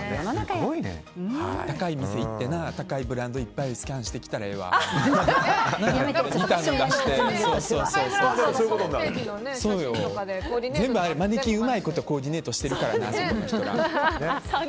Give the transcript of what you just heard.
高い店に行って高いブランドいっぱいハイブランドの全部マネキンうまいことコーディネートしてるからな。